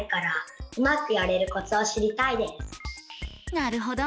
なるほど。